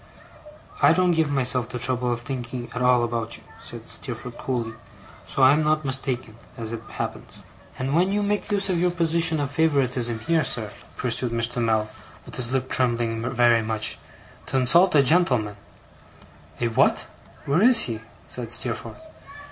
'I don't give myself the trouble of thinking at all about you,' said Steerforth, coolly; 'so I'm not mistaken, as it happens.' 'And when you make use of your position of favouritism here, sir,' pursued Mr. Mell, with his lip trembling very much, 'to insult a gentleman ' 'A what? where is he?' said Steerforth.